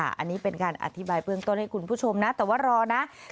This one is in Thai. อันนี้เป็นการอธิบายเบื้องต้นให้คุณผู้ชมนะแต่ว่ารอนะ